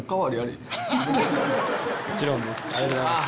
もちろんです。